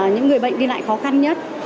những người bệnh đi lại khó khăn nhất